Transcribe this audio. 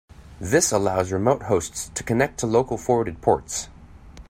This allows remote hosts to connect to local forwarded ports.